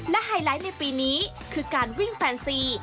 และไฮไลท์ในปีนี้คือการวิ่งแฟนซี